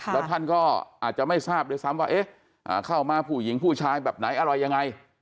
แล้วท่านก็อาจจะไม่ทราบด้วยซ้ำว่าเอ๊ะเข้ามาผู้หญิงผู้ชายแบบไหนอะไรยังไง